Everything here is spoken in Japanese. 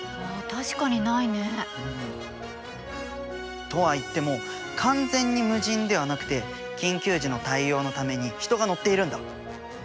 あっ確かにないね！とはいっても完全に無人ではなくて緊急時の対応のために人が乗っているんだ。